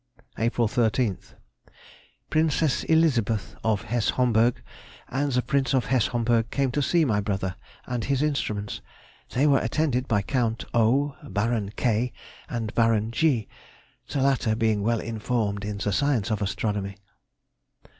April 13th.—Princess Elizabeth of Hesse Homburg and the Prince of Hesse Homburg came to see my brother and his instruments. They were attended by Count O——, Baron K——, and Baron G——. The latter being well informed in the science of astronomy.